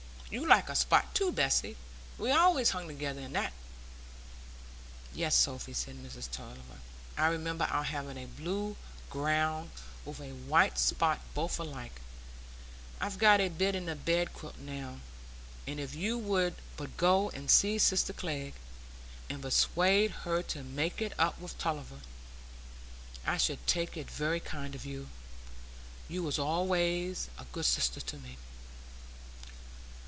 You like a spot too, Bessy; we allays hung together i' that." "Yes, Sophy," said Mrs Tulliver, "I remember our having a blue ground with a white spot both alike,—I've got a bit in a bed quilt now; and if you would but go and see sister Glegg, and persuade her to make it up with Tulliver, I should take it very kind of you. You was allays a good sister to me."